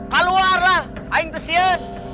keluarlah aing tesien